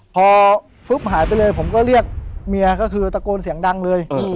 พอฟึ๊บหายไปเลยผมก็เรียกเมียก็คือตะโกนเสียงดังเลย